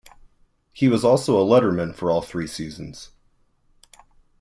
He was also a letterman for all three seasons.